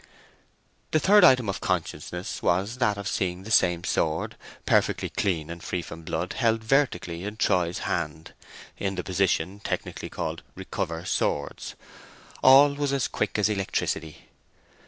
The third item of consciousness was that of seeing the same sword, perfectly clean and free from blood held vertically in Troy's hand (in the position technically called "recover swords"). All was as quick as electricity.